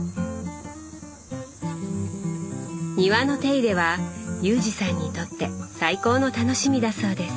庭の手入れは裕二さんにとって最高の楽しみだそうです。